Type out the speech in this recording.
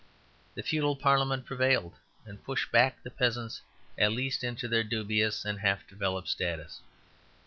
The feudal parliament prevailed, and pushed back the peasants at least into their dubious and half developed status.